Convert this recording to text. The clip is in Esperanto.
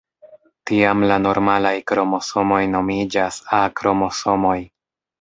Tiam la normalaj kromosomoj nomiĝas A-kromosomoj.